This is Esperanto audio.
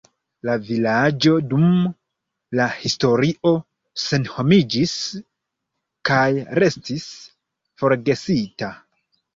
La vilaĝo dum la historio senhomiĝis kaj restis forgesita.